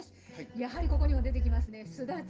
やはりここにも出てきますねすだち。